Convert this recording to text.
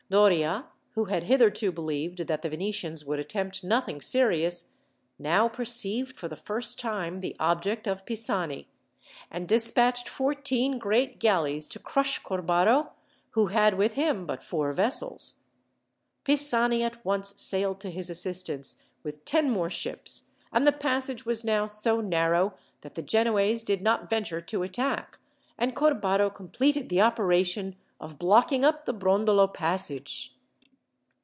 Doria, who had hitherto believed that the Venetians would attempt nothing serious, now perceived for the first time the object of Pisani, and despatched fourteen great galleys to crush Corbaro, who had with him but four vessels. Pisani at once sailed to his assistance, with ten more ships, and the passage was now so narrow that the Genoese did not venture to attack, and Corbaro completed the operation of blocking up the Brondolo passage.